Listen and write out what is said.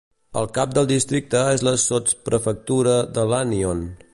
El cap del districte és la sotsprefectura de Lannion.